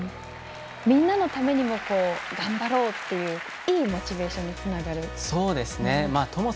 みんなのためにも頑張ろうといういいモチベーションにつながると。